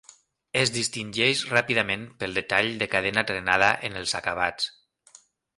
Es distingeix ràpidament pel detall de cadena trenada en els acabats.